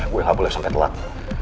gue gak boleh sampai telat